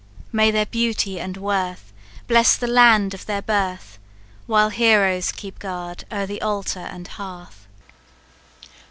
May their beauty and worth Bless the land of their birth, While heroes keep guard o'er the altar and hearth!"